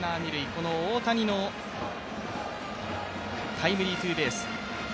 この大谷のタイムリーツーベース。